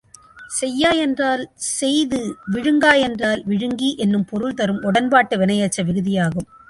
செய்யா என்றால் செய்து விழுங்கா என்றால் விழுங்கி என்னும் பொருள் தரும் உடன்பாட்டு வினையெச்ச விகுதியாகும்.